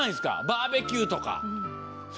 バーベキューとか。